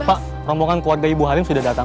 pak rombongan keluarga ibu haris sudah datang